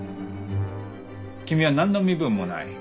君は何の身分もない。